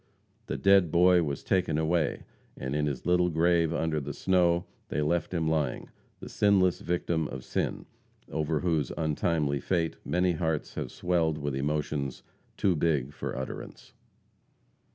The dead boy was taken away, and in his little grave under the snow they left him lying, the sinless victim of sin, over whose untimely fate many hearts have swelled with emotions too big for utterance.